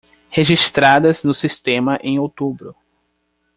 registradas no sistema em outubro.